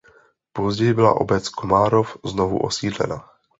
Později byla obec Komárov znovu osídlena.